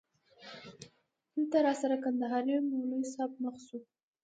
دلته راسره کندهاری مولوی صاحب مخ شو.